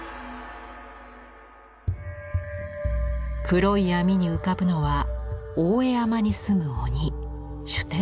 黒い闇に浮かぶのは大江山に住む鬼酒呑童子。